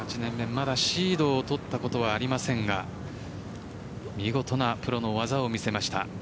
まだシードを取ったことはありませんが見事なプロの技を見せました。